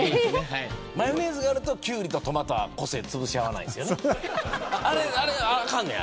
マヨネーズがあるとキュウリとトマトは個性つぶし合わないんですよね。